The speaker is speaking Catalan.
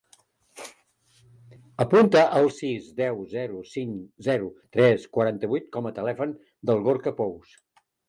Apunta el sis, deu, zero, cinc, zero, tres, quaranta-vuit com a telèfon del Gorka Pous.